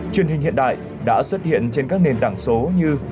truyền hình hiện đại đã xuất hiện trên các nền tảng số như